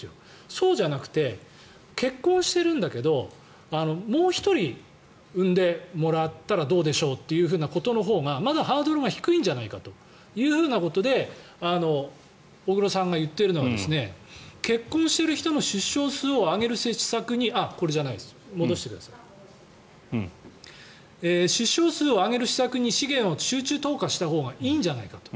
そうじゃなくて結婚してるんだけどもう１人、産んでもらったらどうでしょうということのほうがまだハードルが低いんじゃないかということで小黒さんが言っているのが結婚している人の出生数を上げる施策に資源を集中投下したほうがいいんじゃないかと。